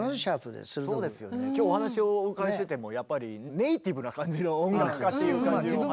今日お話をお伺いしててもやっぱりネーティブな感じの音楽家っていう感じの。